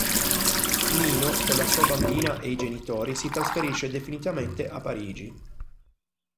Nino, con la sua bambina e i genitori, si trasferisce definitivamente a Parigi.